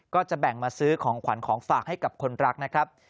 ก็จะแบ่งมาซื้อของขวัญของฝากให้กับคนรักนะครับ